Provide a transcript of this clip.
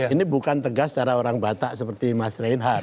ini bukan tegas cara orang batak seperti mas reinhardt